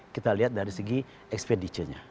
kita lihat dari segi expediture nya